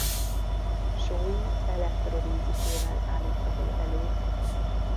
Sói elektrolízisével állítható elő.